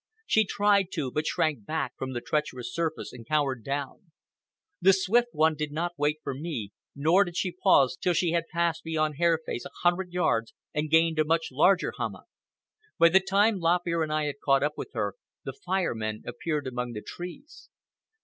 She tried to, but shrank back from the treacherous surface and cowered down. The Swift One did not wait for me, nor did she pause till she had passed beyond Hair Face a hundred yards and gained a much larger hummock. By the time Lop Ear and I had caught up with her, the Fire Men appeared among the trees.